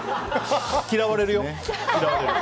嫌われるよ。